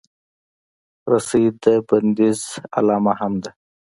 رسۍ د بندیز علامه هم ده.